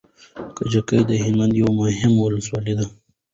کجکی د هلمند يوه مهمه ولسوالي ده